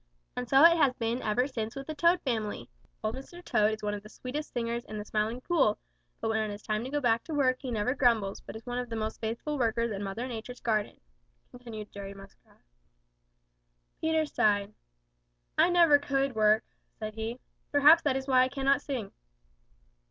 And so it has been ever since with the Toad family. Old Mr. Toad is one of the sweetest singers in the Smiling Pool, but when it is time to go back to work he never grumbles, but is one of the most faithful workers in Mother Nature's garden," concluded Jerry Muskrat. Peter sighed. "I never could work," said he. "Perhaps that is why I cannot sing."